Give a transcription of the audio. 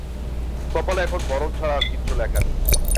কপালে এখন মরণ ছাড়া আর কিচ্ছু লেখা নেই!